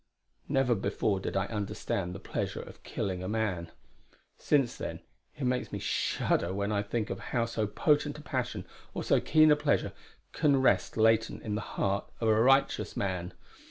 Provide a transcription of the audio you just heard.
Never before did I understand the pleasure of killing a man. Since then, it makes me shudder when I think of how so potent a passion, or so keen a pleasure, can rest latent in the heart of a righteous man.